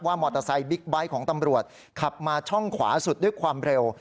มอเตอร์ไซค์บิ๊กไบท์ของตำรวจขับมาช่องขวาสุดด้วยความเร็ว